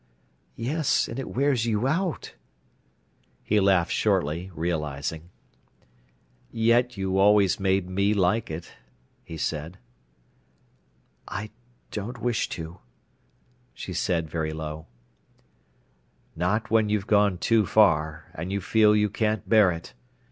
"Yes, and it wears you out." He laughed shortly, realising. "Yet you always make me like it," he said. "I don't wish to," she said, very low. "Not when you've gone too far, and you feel you can't bear it.